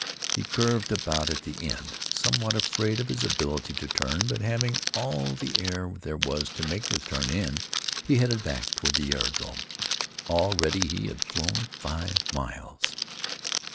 He curved about at the end, somewhat afraid of his ability to turn, but having all the air there was to make the turn in, and headed back toward the aerodrome. Already he had flown five miles.